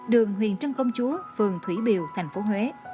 đường huyện trân công chúa phường thủy biều thành phố huế